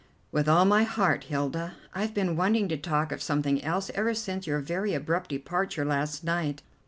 "With all my heart, Hilda. I've been wanting to talk of something else ever since your very abrupt departure last night.